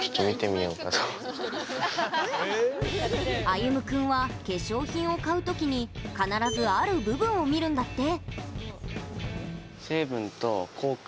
あゆむ君は化粧品を買うときに必ず、ある部分を見るんだって。